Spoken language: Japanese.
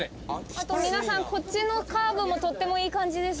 あと皆さんこっちのカーブもとってもいい感じです。